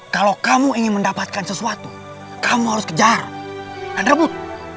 kalau kamu ingin mendapatkan sesuatu kamu harus kejar dan rebut